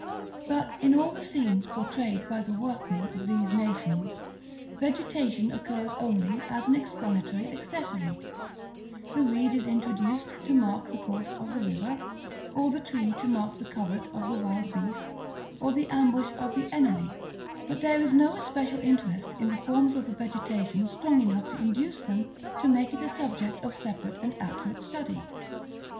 But in all the scenes portrayed by the workmen of these nations, vegetation occurs only as an explanatory accessory; the reed is introduced to mark the course of the river, or the tree to mark the covert of the wild beast, or the ambush of the enemy, but there is no especial interest in the forms of the vegetation strong enough to induce them to make it a subject of separate and accurate study.